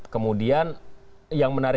kemudian yang menarik